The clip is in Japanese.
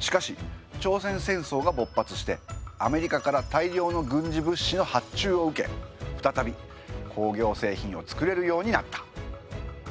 しかし朝鮮戦争が勃発してアメリカから大量の軍事物資の発注を受け再び工業製品を作れるようになった。